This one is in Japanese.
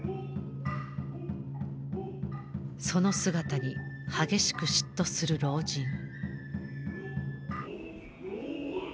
その姿に激しく嫉妬する老人。